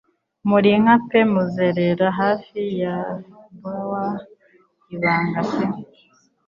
Muri nka pe kuzerera hafi ya bower ibanga pe